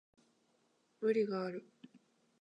無理がある